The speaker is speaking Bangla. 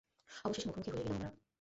অবশেষে মুখোমুখি হয়েই গেলাম আমরা।